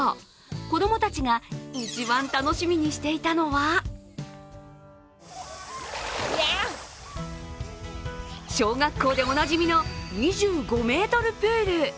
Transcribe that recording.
子どもたちが一番楽しみにしていたのは小学校でおなじみの２５ｍプール。